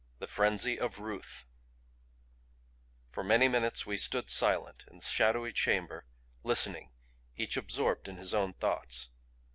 THE FRENZY OF RUTH For many minutes we stood silent, in the shadowy chamber, listening, each absorbed in his own thoughts.